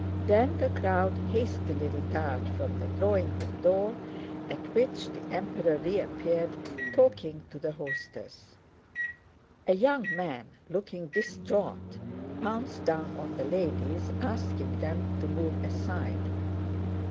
Then the crowd hastily retired from the drawing room door, at which the Emperor reappeared talking to the hostess. A young man, looking distraught, pounced down on the ladies, asking them to move aside.